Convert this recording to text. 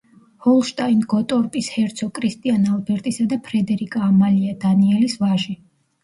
ჰოლშტაინ-გოტორპის ჰერცოგ კრისტიან ალბერტისა და ფრედერიკა ამალია დანიელის ვაჟი.